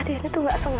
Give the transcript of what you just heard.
tentengel dengan cinta